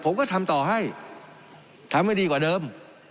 ผมก็ทำต่อให้ทำให้ดีกว่าเดิม